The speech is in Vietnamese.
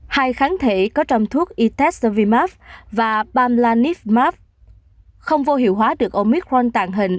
hai kháng thể có trong thuốc itazovimab và pamlanivimab không vô hiệu hóa được omicron tàng hình